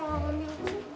tunggu tunggu tunggu